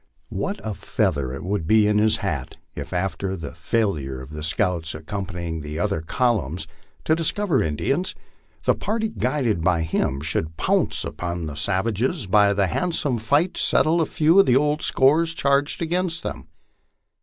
What a feather it would be in his cap if, after the fail ure of the scouts accompanying the other columns to discover Indians, the party guided by him should pounce upon the savages, and by a handsome fight settle a few of the old scores charged against them